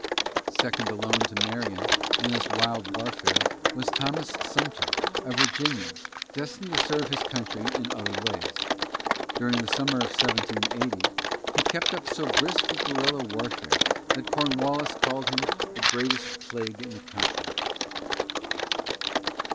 Second alone to Marion in this wild warfare was Thomas Sumter, a Virginian, destined to serve his country in other ways. During the summer of 1780, he kept up so brisk a guerrilla warfare that Cornwallis called him "the greatest plague in the country."